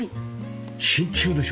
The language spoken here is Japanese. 真鍮でしょ？